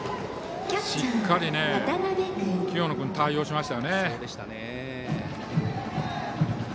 しっかり清野君、対応しましたね。